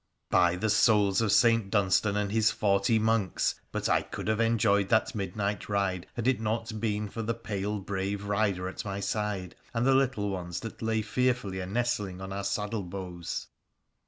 By the souls of St. Dunstan and his forty monks ! but I could have enjoyed that midnight ride had it not been for the pale, brave rider at my side, and the little ones that lay fear fully a nestling on our saddle bows.